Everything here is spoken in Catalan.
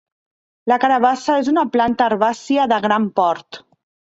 La carabassa és una planta herbàcia de gran port.